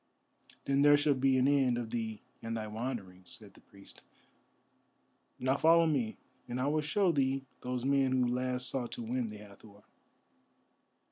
"Then there shall be an end of thee and thy wanderings," said the priest. "Now follow me, and I will show thee those men who last sought to win the Hathor."